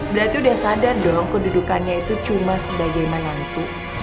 berarti udah sadar dong kedudukannya itu cuma sebagai menantu